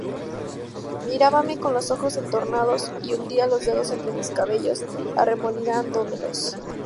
mirábame con los ojos entornados, y hundía los dedos entre mis cabellos, arremolinándomelos.